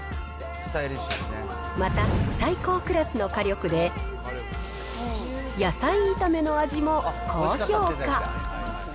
また、最高クラスの火力で、野菜炒めの味も高評価。